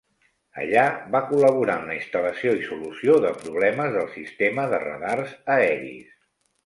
Allà, va col·laborar en la instal·lació i solució de problemes del sistema de radars aeris.